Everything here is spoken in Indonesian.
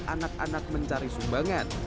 anak anak mencari sumbangan